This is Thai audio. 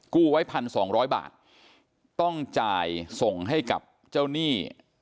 กู้ไว้พันสองร้อยบาทต้องจ่ายส่งให้กับเจ้าหนี้